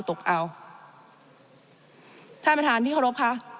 ท่านประธานที่เคารพคะ